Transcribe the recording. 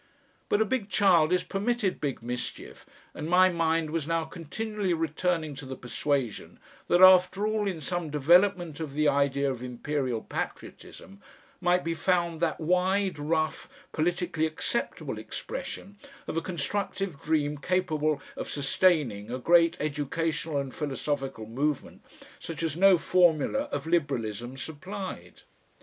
But a big child is permitted big mischief, and my mind was now continually returning to the persuasion that after all in some development of the idea of Imperial patriotism might be found that wide, rough, politically acceptable expression of a constructive dream capable of sustaining a great educational and philosophical movement such as no formula of Liberalism supplied.